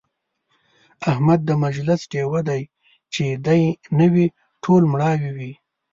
احمد د مجلس ډېوه دی، چې دی نه وي ټول مړاوي وي.